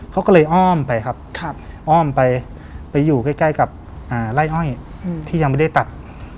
เขาก็เลยอ้อมไปครับอ้อมไปไปอยู่ใกล้กับไล่อ้อยที่ยังไม่ได้ตัด